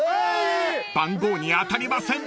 ［番号に当たりません］